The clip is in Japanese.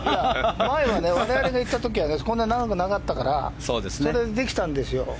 前は我々のいた時はこんなに長くなかったからそれでできたんですよ。